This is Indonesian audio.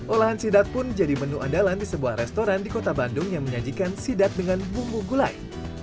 olahan sidat pun jadi menu andalan di sebuah restoran di kota bandung yang menyajikan sidat dengan bumbu gulai